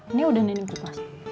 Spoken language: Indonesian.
ini udah nyingkir pas